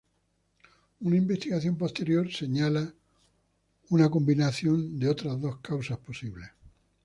Una investigación posterior señala una una combinación de otras dos causas posibles.